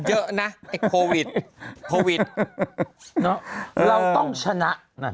เราต้องชนะ